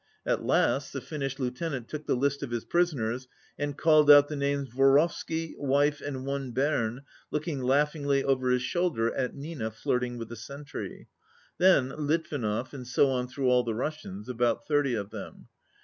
At last the Finnish lieutenant took the list of his prisoners and called out the names "Vorovsky, wife and one bairn," looking laughingly over his shoulder at Nina flirting with the sentry. Then "Litvinov," and so on through all the Russians, about thirty of them.